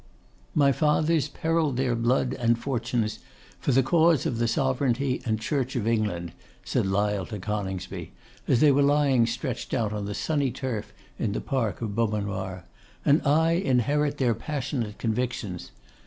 'My fathers perilled their blood and fortunes for the cause of the Sovereignty and Church of England,' said Lyle to Coningsby, as they were lying stretched out on the sunny turf in the park of Beaumanoir,' and I inherit their passionate convictions.